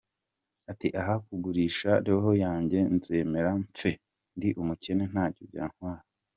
Ati “Aho kugurisha roho yanjye nzemera mpfe ndi umukene ntacyo byantwara.